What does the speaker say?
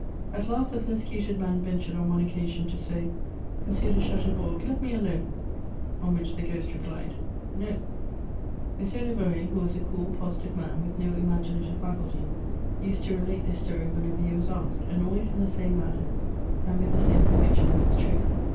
At last the persecuted man ventured on one occasion to say, ^' Monsieur de Chateaubourg, let me alone," on which the ghost repUed ^* No." M. livoret, who was a cool, positive man, with no imaginative £Eiculty, used to relate this story whenever he was asked, and always in the same manner, and with the same con viction of its truth.